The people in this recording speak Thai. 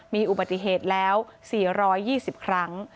มีอุบัติเหตุแล้ว๔๒๐ครั้ง